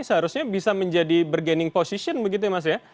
seharusnya bisa menjadi bergaining position begitu ya mas ya